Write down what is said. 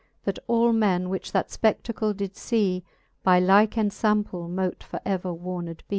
That all men, which that fpe£i:acle did lee. By like enfample mote for ever warned bee.